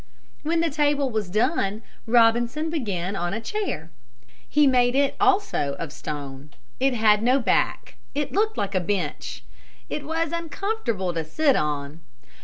When the table was done, Robinson began on a chair. He made it also of stone. It had no back. It looked like a bench. It was uncomfortable to sit on.